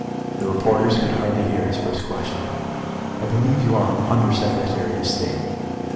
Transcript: The reporters could hardly hear his first question, "I believe you are an Under Secretary of State?"